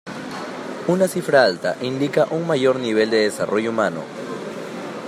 Una cifra alta indica un mayor nivel de desarrollo humano.